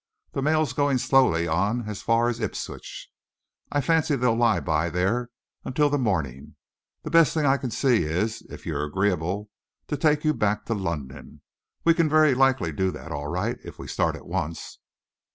"The mail's going slowly on as far as Ipswich. I fancy they'll lie by there until the morning. The best thing that I can see is, if you're agreeable, to take you back to London. We can very likely do that all right, if we start at once."